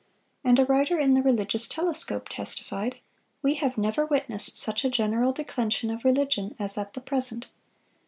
And a writer in the Religious Telescope testified: "We have never witnessed such a general declension of religion as at the present.